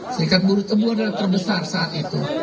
serikat buruh tebu adalah terbesar saat itu